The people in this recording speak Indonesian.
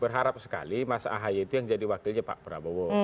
berharap sekali mas ahaye itu yang jadi wakilnya pak prabowo